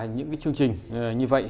những chương trình như vậy